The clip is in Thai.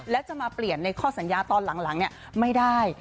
และจะมาเปลี่ยนในข้อสัญญาตอนหลังไม่ได้